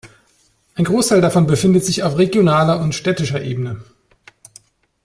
Ein Großteil davon befindet sich auf regionaler und städtischer Ebene.